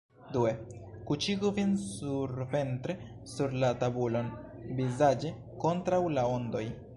Due: kuŝigu vin surventre sur la tabulon, vizaĝe kontraŭ la ondoj.